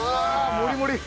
もりもり。